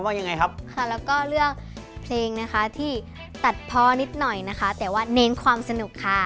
เหมือนจับอึ่งมาเต้นน่ะแล้วก็